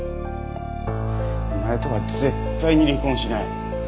お前とは絶対に離婚しない。